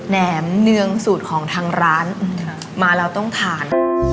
แหมเนืองสูตรของทางร้านมาแล้วต้องทาน